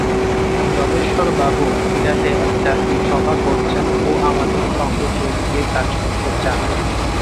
যজ্ঞেশ্বরবাবু মীরাটে একটা কি সভা করেছেন ও আমাদের সঙ্গে যোগ দিয়ে কাজ করতে চান।